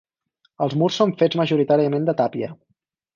Els murs són fets majoritàriament de tàpia.